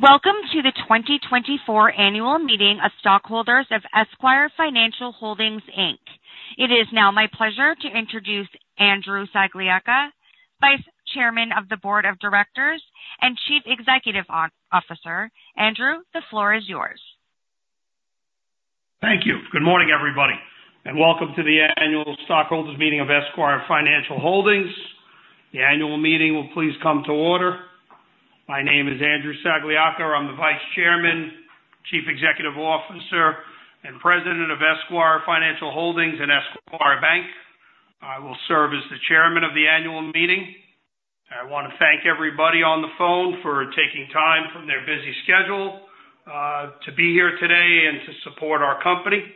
Welcome to the 2024 Annual Meeting of Stockholders of Esquire Financial Holdings, Inc. It is now my pleasure to introduce Andrew Sagliocca, Vice Chairman of the Board of Directors and Chief Executive Officer. Andrew, the floor is yours. Thank you. Good morning, everybody, and welcome to the Annual Stockholders Meeting of Esquire Financial Holdings. The annual meeting will please come to order. My name is Andrew Sagliocca. I'm the Vice Chairman, Chief Executive Officer, and President of Esquire Financial Holdings and Esquire Bank. I will serve as the chairman of the annual meeting. I want to thank everybody on the phone for taking time from their busy schedule to be here today and to support our company.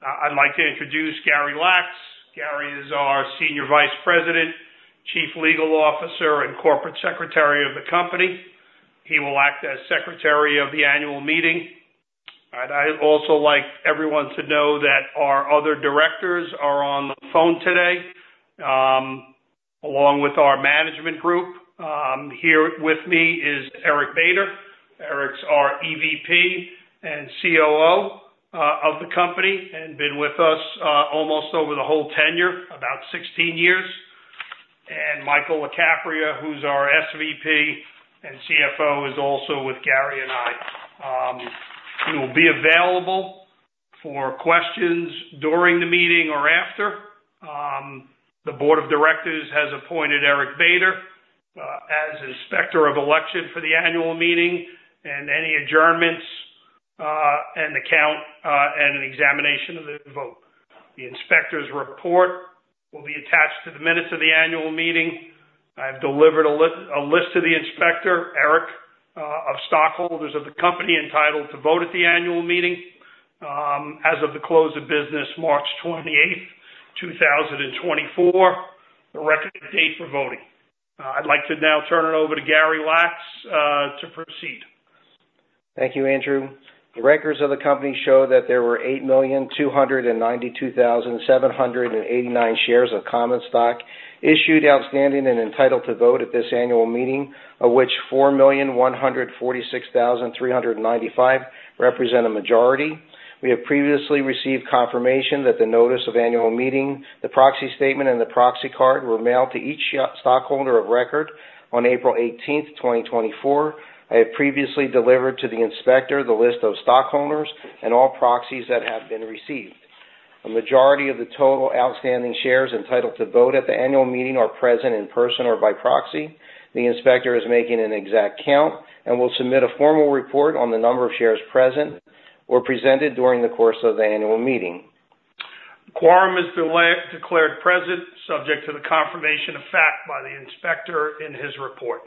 I'd like to introduce Gary Lax. Gary is our Senior Vice President, Chief Legal Officer, and Corporate Secretary of the company. He will act as secretary of the annual meeting. I'd also like everyone to know that our other directors are on the phone today, along with our management group. Here with me is Eric Bader. Eric's our EVP and COO of the company and been with us almost over the whole tenure, about 16 years. Michael LaCapria, who's our SVP and CFO, is also with Gary and I. He will be available for questions during the meeting or after. The board of directors has appointed Eric Bader as Inspector of Election for the annual meeting and any adjournments, and the count and an examination of the vote. The inspector's report will be attached to the minutes of the annual meeting. I've delivered a list to the inspector, Eric, of stockholders of the company entitled to vote at the annual meeting, as of the close of business March twenty-eighth, two thousand and twenty-four, the record date for voting. I'd like to now turn it over to Gary Lax to proceed. Thank you, Andrew. The records of the company show that there were 8,292,789 shares of common stock issued, outstanding, and entitled to vote at this annual meeting, of which 4,146,395 represent a majority. We have previously received confirmation that the notice of annual meeting, the proxy statement, and the proxy card were mailed to each stockholder of record on April 18, 2024. I have previously delivered to the inspector the list of stockholders and all proxies that have been received. A majority of the total outstanding shares entitled to vote at the annual meeting are present in person or by proxy. The inspector is making an exact count and will submit a formal report on the number of shares present or presented during the course of the annual meeting. Quorum is declared present, subject to the confirmation of fact by the inspector in his report.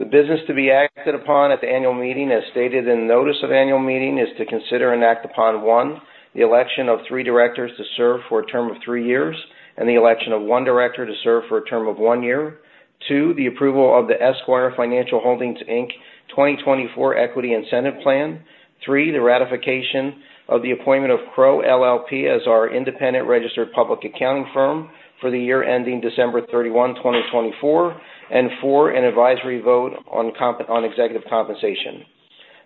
The business to be acted upon at the annual meeting, as stated in the notice of annual meeting, is to consider and act upon, 1, the election of 3 directors to serve for a term of 3 years and the election of 1 director to serve for a term of 1 year. 2, the approval of the Esquire Financial Holdings, Inc. 2024 Equity Incentive Plan. 3, the ratification of the appointment of Crowe LLP as our independent registered public accounting firm for the year ending December 31, 2024. And 4, an advisory vote on executive compensation.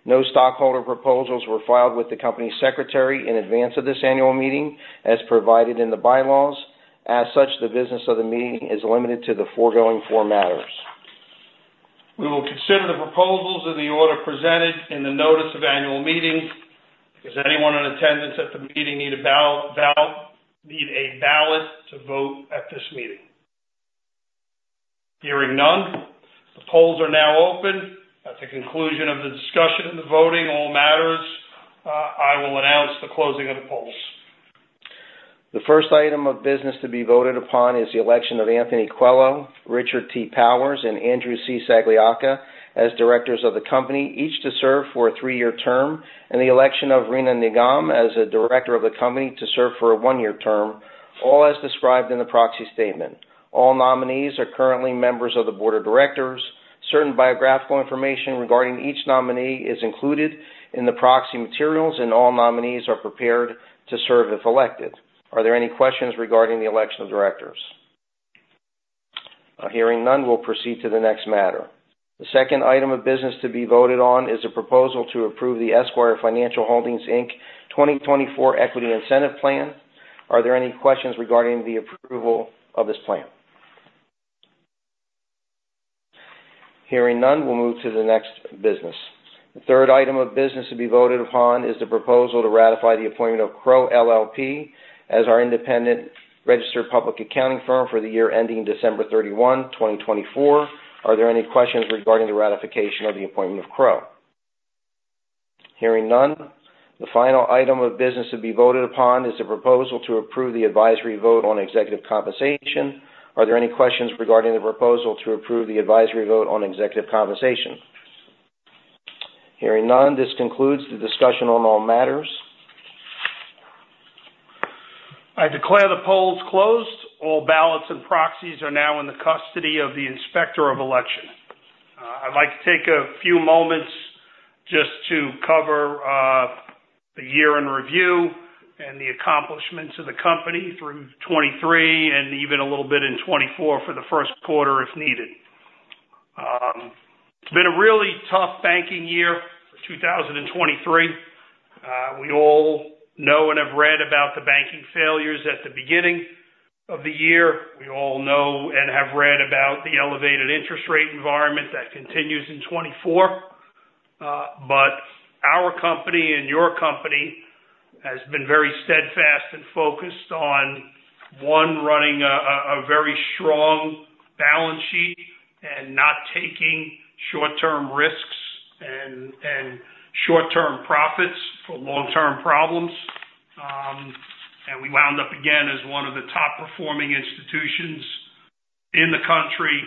No stockholder proposals were filed with the company secretary in advance of this annual meeting, as provided in the bylaws. As such, the business of the meeting is limited to the foregoing 4 matters. We will consider the proposals in the order presented in the notice of annual meeting. Does anyone in attendance at the meeting need a ballot to vote at this meeting? Hearing none, the polls are now open. At the conclusion of the discussion and the voting all matters, I will announce the closing of the polls. The first item of business to be voted upon is the election of Anthony Coelho, Richard T. Powers, and Andrew C. Sagliocca as directors of the company, each to serve for a three-year term, and the election of Rena Nigam as a director of the company to serve for a one-year term, all as described in the proxy statement. All nominees are currently members of the board of directors. Certain biographical information regarding each nominee is included in the proxy materials, and all nominees are prepared to serve if elected. Are there any questions regarding the election of directors? Hearing none, we'll proceed to the next matter. The second item of business to be voted on is a proposal to approve the Esquire Financial Holdings, Inc. 2024 Equity Incentive Plan. Are there any questions regarding the approval of this plan? Hearing none, we'll move to the next business. The third item of business to be voted upon is the proposal to ratify the appointment of Crowe LLP as our independent registered public accounting firm for the year ending December 31, 2024. Are there any questions regarding the ratification of the appointment of Crowe? Hearing none, the final item of business to be voted upon is the proposal to approve the advisory vote on executive compensation. Are there any questions regarding the proposal to approve the advisory vote on executive compensation? Hearing none, this concludes the discussion on all matters. I declare the polls closed. All ballots and proxies are now in the custody of the Inspector of Election. I'd like to take a few moments just to cover the year in review and the accomplishments of the company through 2023 and even a little bit in 2024 for the first quarter, if needed. It's been a really tough banking year, 2023. We all know and have read about the banking failures at the beginning of the year. We all know and have read about the elevated interest rate environment that continues in 2024. But our company and your company has been very steadfast and focused on one, running a very strong balance sheet and not taking short-term risks and short-term profits for long-term problems. We wound up again as one of the top performing institutions in the country,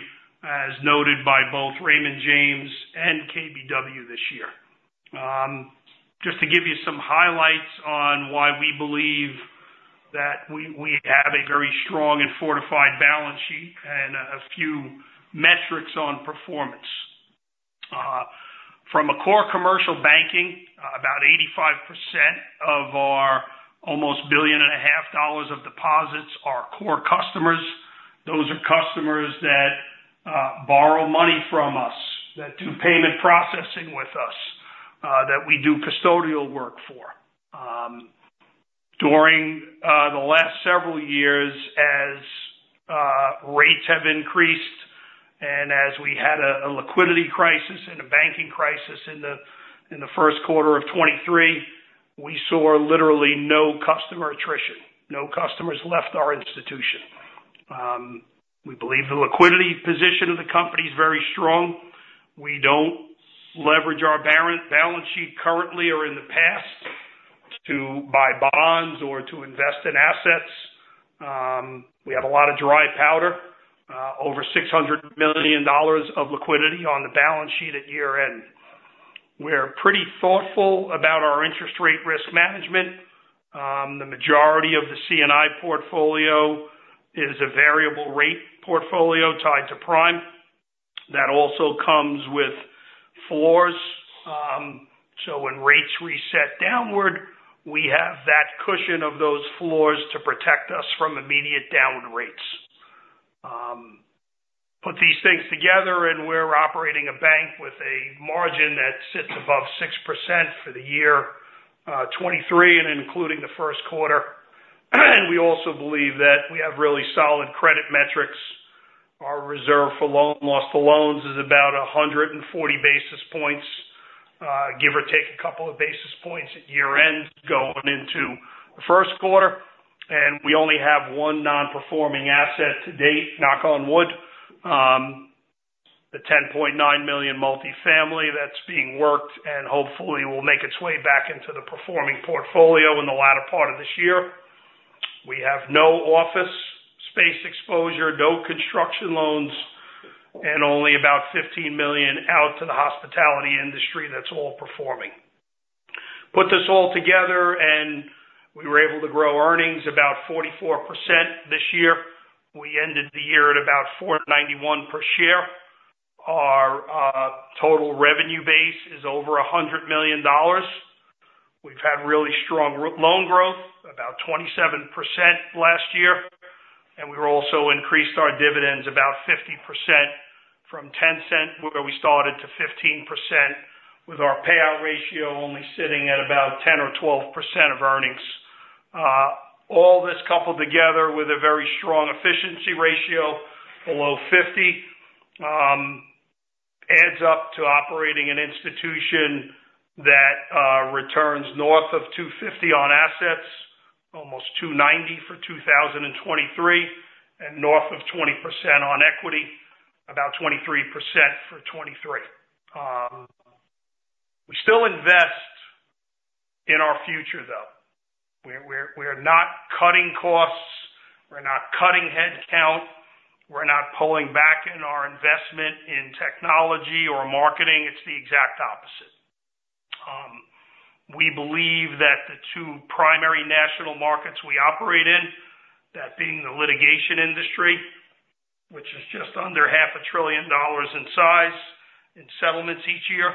as noted by both Raymond James and KBW this year. Just to give you some highlights on why we believe that we have a very strong and fortified balance sheet and a few metrics on performance. From a core commercial banking, about 85% of our almost $1.5 billion of deposits are core customers. Those are customers that borrow money from us, that do payment processing with us, that we do custodial work for. During the last several years as rates have increased and as we had a liquidity crisis and a banking crisis in the first quarter of 2023, we saw literally no customer attrition. No customers left our institution. We believe the liquidity position of the company is very strong. We don't leverage our balance sheet currently or in the past to buy bonds or to invest in assets. We have a lot of dry powder, over $600 million of liquidity on the balance sheet at year-end. We're pretty thoughtful about our interest rate risk management. The majority of the C&I portfolio is a variable rate portfolio tied to Prime. That also comes with floors, so when rates reset downward, we have that cushion of those floors to protect us from immediate downward rates. Put these things together, and we're operating a bank with a margin that sits above 6% for the year 2023 and including the first quarter. And we also believe that we have really solid credit metrics. Our reserve for loan loss for loans is about 140 basis points, give or take a couple of basis points at year-end going into the first quarter, and we only have one non-performing asset to date, knock on wood. The $10.9 million multifamily that's being worked and hopefully will make its way back into the performing portfolio in the latter part of this year. We have no office space exposure, no construction loans, and only about $15 million out to the hospitality industry that's all performing. Put this all together, and we were able to grow earnings about 44% this year. We ended the year at about $4.91 per share. Our total revenue base is over $100 million. We've had really strong loan growth, about 27% last year, and we also increased our dividends about 50% from $0.10, where we started, to $0.15, with our payout ratio only sitting at about 10%-12% of earnings. All this coupled together with a very strong efficiency ratio, below 50, adds up to operating an institution that returns north of 2.50% on assets, almost 2.90% for 2023, and north of 20% on equity, about 23% for 2023. We still invest in our future, though. We're, we're, we're not cutting costs, we're not cutting headcount, we're not pulling back in our investment in technology or marketing. It's the exact opposite. We believe that the two primary national markets we operate in, that being the litigation vertical, which is just under $500 billion in size in settlements each year,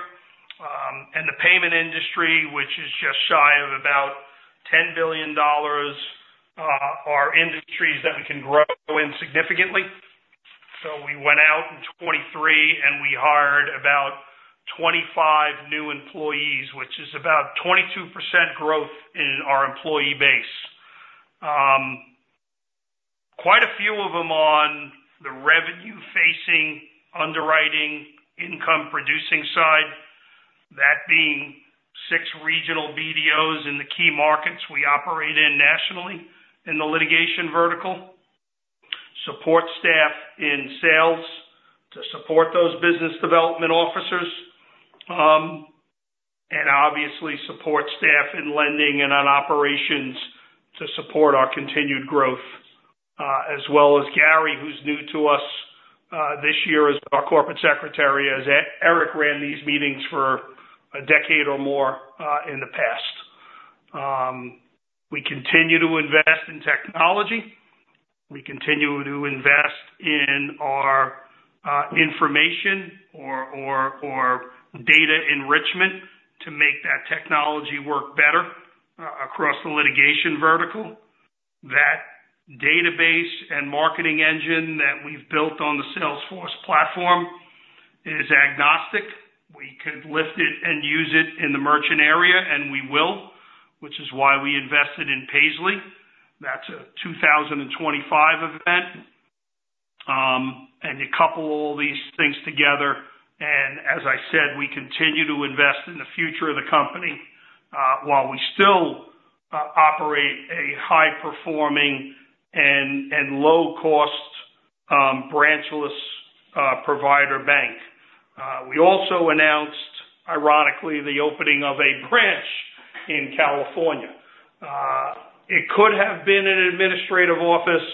and the payment industry, which is just shy of about $10 billion, are industries that we can grow in significantly. So we went out in 2023 and we hired about 25 new employees, which is about 22% growth in our employee base. Quite a few of them on the revenue-facing, underwriting, income-producing side, that being six regional BDOs in the key markets we operate in nationally in the litigation vertical. Support staff in sales to support those business development officers, and obviously, support staff in lending and on operations to support our continued growth. As well as Gary, who's new to us this year as our corporate secretary, as Eric ran these meetings for a decade or more in the past. We continue to invest in technology. We continue to invest in our information or data enrichment to make that technology work better across the litigation vertical. That database and marketing engine that we've built on the Salesforce platform is agnostic. We could lift it and use it in the merchant area, and we will, which is why we invested in Payzli. That's a 2025 event. And you couple all these things together, and as I said, we continue to invest in the future of the company while we still operate a high-performing and low-cost branchless provider bank. We also announced, ironically, the opening of a branch in California. It could have been an administrative office.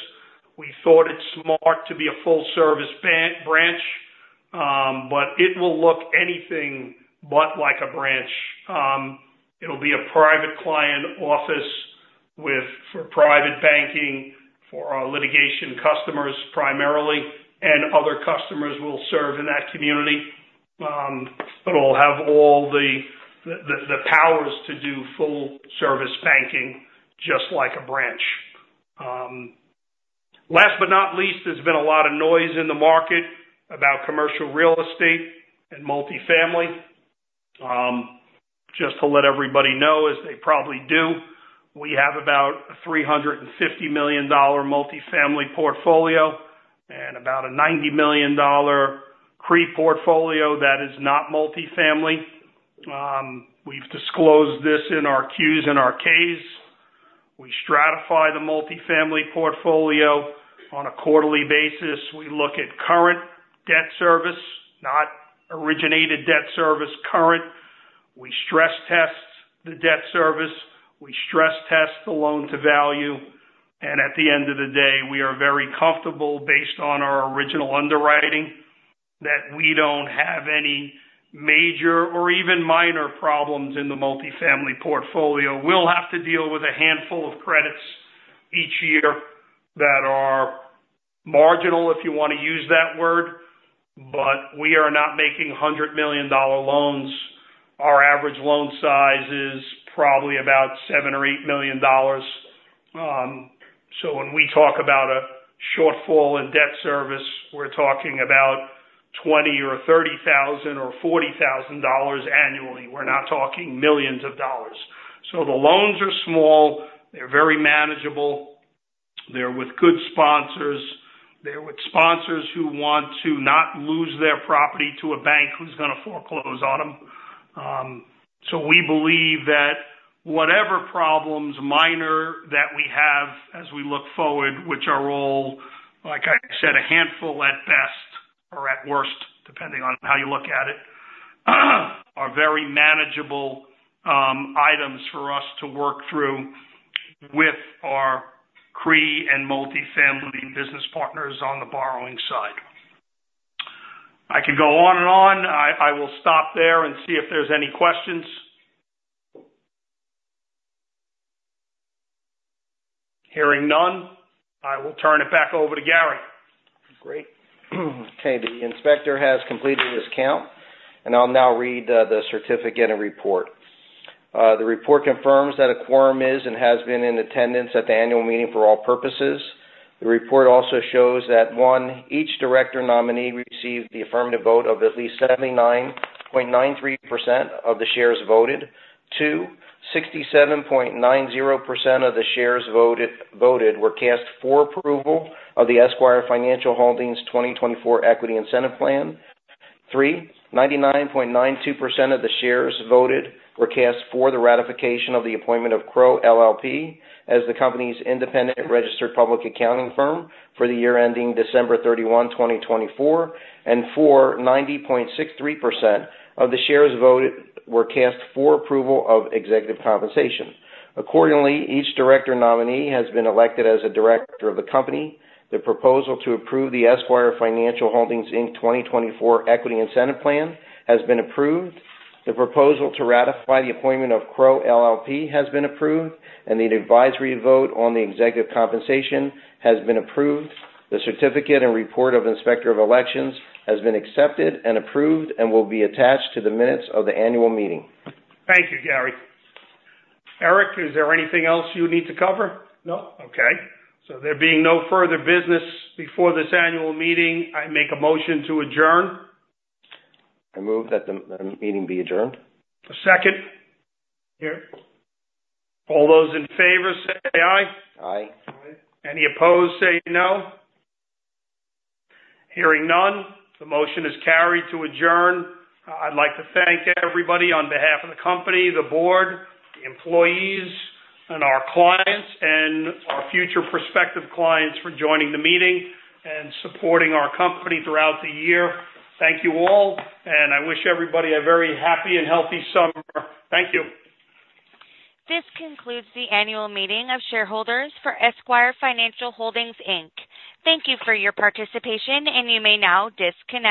We thought it smart to be a full-service branch, but it will look anything but like a branch. It'll be a private client office with for private banking, for our litigation customers primarily, and other customers we'll serve in that community. But it'll have all the powers to do full-service banking, just like a branch. Last but not least, there's been a lot of noise in the market about commercial real estate and multifamily. Just to let everybody know, as they probably do, we have about a $350 million multifamily portfolio and about a $90 million CRE portfolio that is not multifamily. We've disclosed this in our Qs and our Ks. We stratify the multifamily portfolio on a quarterly basis. We look at current debt service, not originated debt service, current. We stress test the debt service, we stress test the loan to value, and at the end of the day, we are very comfortable, based on our original underwriting, that we don't have any major or even minor problems in the multifamily portfolio. We'll have to deal with a handful of credits each year that are marginal, if you want to use that word, but we are not making $100 million loans. Our average loan size is probably about $7 million or $8 million. So when we talk about a shortfall in debt service, we're talking about $20,000 or $30,000 or $40,000 annually. We're not talking millions of dollars. So the loans are small. They're very manageable. They're with good sponsors. They're with sponsors who want to not lose their property to a bank who's gonna foreclose on them. So we believe that whatever problems, minor, that we have as we look forward, which are all, like I said, a handful at best or at worst, depending on how you look at it, are very manageable items for us to work through with our CRE and multifamily business partners on the borrowing side. I could go on and on. I, I will stop there and see if there's any questions. Hearing none, I will turn it back over to Gary. Great. Okay, the inspector has completed his count, and I'll now read the certificate and report. The report confirms that a quorum is, and has been in attendance at the annual meeting for all purposes. The report also shows that, 1, each director nominee received the affirmative vote of at least 79.93% of the shares voted. 2, 67.90% of the shares voted, voted were cast for approval of the Esquire Financial Holdings 2024 Equity Incentive Plan. 3, 99.92% of the shares voted were cast for the ratification of the appointment of Crowe LLP, as the company's independent registered public accounting firm for the year ending December 31, 2024. And 4, 90.63% of the shares voted were cast for approval of executive compensation. Accordingly, each director nominee has been elected as a director of the company. The proposal to approve the Esquire Financial Holdings, Inc. 2024 Equity Incentive Plan has been approved. The proposal to ratify the appointment of Crowe LLP has been approved, and the advisory vote on the executive compensation has been approved. The certificate and report of Inspector of Election has been accepted and approved and will be attached to the minutes of the annual meeting. Thank you, Gary. Eric, is there anything else you need to cover? No. Okay. So there being no further business before this annual meeting, I make a motion to adjourn. I move that the meeting be adjourned. A second? Here. All those in favor, say aye. Aye. Aye. Any opposed, say no. Hearing none, the motion is carried to adjourn. I'd like to thank everybody on behalf of the company, the board, the employees and our clients and our future prospective clients for joining the meeting and supporting our company throughout the year. Thank you all, and I wish everybody a very happy and healthy summer. Thank you. This concludes the annual meeting of shareholders for Esquire Financial Holdings, Inc. Thank you for your participation, and you may now disconnect.